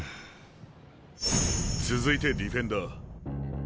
続いてディフェンダー。